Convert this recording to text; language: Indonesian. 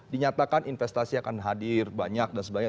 dinyatakan investasi akan hadir banyak dan sebagainya